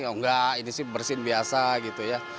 oh enggak ini sih bersin biasa gitu ya